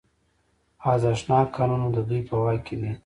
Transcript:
ارزښتناک کانونه د دوی په واک کې دي